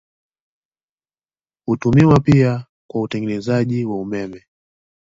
Hutumiwa pia kwa utengenezaji wa umeme.